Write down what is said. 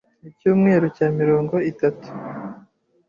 Icyumweru cya mirongo itatu